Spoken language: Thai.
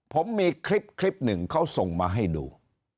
ผมมีคลิป๑เขาส่งมาให้ดู